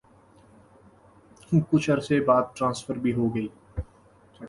کچھ عرصے بعد ٹرانسفر بھی ہو گئی۔